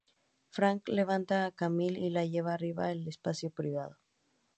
Franck levanta a Camille y la lleva arriba al espacio privado.